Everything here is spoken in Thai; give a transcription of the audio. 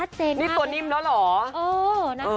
นี่ตัวนิ่มแล้วเหรอ